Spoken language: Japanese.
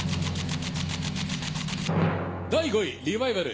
第５位、リバイバル。